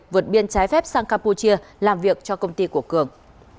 vượt biên trái phép sang campuchia làm việc cho công ty của cường